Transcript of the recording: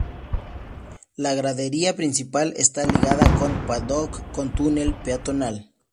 La gradería principal esta ligada con paddock con túnel peatonal.